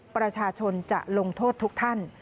ประชาชนจะลงโทษทุกท่าน